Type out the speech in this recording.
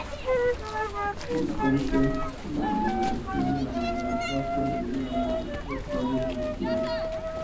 En Comte, con la maduración de la humanidad, hasta la llegada al estadio positivo.